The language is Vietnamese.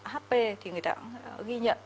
hp thì người ta ghi nhận